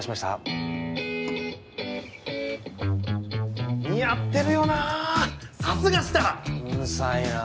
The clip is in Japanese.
うるさいなあ。